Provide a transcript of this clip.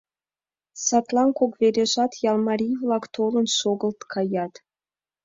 Садлан кок вережат ял марий-влак толын шогылт каят.